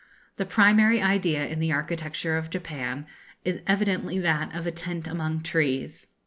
The primary idea in the architecture of Japan is evidently that of a tent among trees.